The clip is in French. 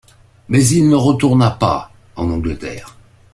Mais il ne retourna pas en Angleterre.